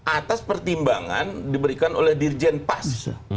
atas pertimbangan diberikan oleh dirjen pas